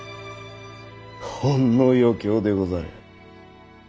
ほんの余興でござる。